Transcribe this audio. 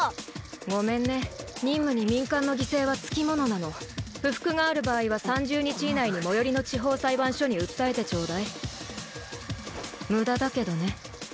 ごめんね忍務に民間の犠牲はつきものなの不服がある場合は３０日以内に最寄りの地方裁判所に訴えてちょうだいムダだけどね